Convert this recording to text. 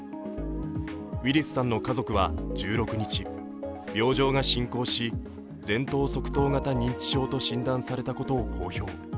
ウィリスさんの家族は１６日病状が進行し前頭側頭型認知症と診断されたことを公表。